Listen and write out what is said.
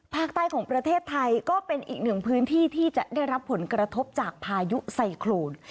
ภาคใต้ของประเทศไทยก็เป็นอีกหนึ่งพื้นที่ที่จะได้รับผลกระทบจากพายุไซโครน